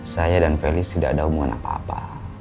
saya dan felix tidak ada hubungan apa apa